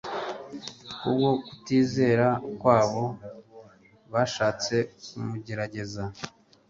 Kubwo kutizera kwabo bashatse kumugerageza.